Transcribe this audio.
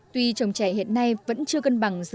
tuy trồng trẻ hiện nay vẫn chưa cân bằng